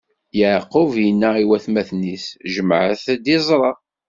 Yeɛqub inna i watmaten-is: Jemɛet-d iẓra.